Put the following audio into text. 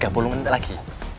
tiga puluh menit lagi